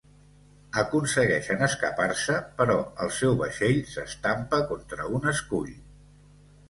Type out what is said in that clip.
Aconsegueixen escapar-se però el seu vaixell s'estampa contra un escull.